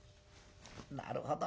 なるほど。